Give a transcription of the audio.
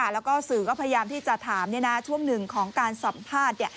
แล้วก็สื่อก็พยายามที่จะถามช่วงหนึ่งของการสัมภาษณ์